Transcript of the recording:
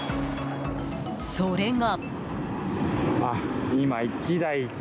それが。